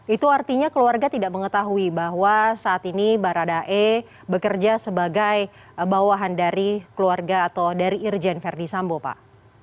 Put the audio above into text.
itu artinya keluarga tidak mengetahui bahwa saat ini baradae bekerja sebagai bawahan dari keluarga atau dari irjen verdi sambo pak